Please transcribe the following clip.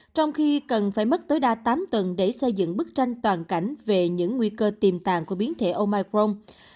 trong khi cần phải mất tối đa tám tuần để xây dựng bức tranh toàn cảnh về những nguy cơ tiềm tàng của biến thể omicron